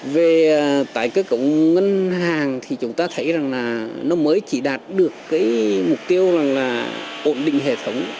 về tái cơ cấu ngân hàng thì chúng ta thấy rằng là nó mới chỉ đạt được cái mục tiêu rằng là ổn định hệ thống